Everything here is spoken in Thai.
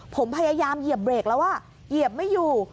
ผมพยายามเหยียบเบรกแล้วเหยียบไม่อยู่